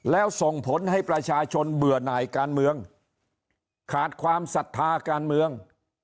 แล้วส่งผลให้ประชาชนเบื่อหน่ายการเมืองขาดความศรัทธาการเมือง